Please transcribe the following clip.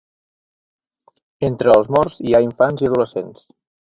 Entre els morts hi ha infants i adolescents.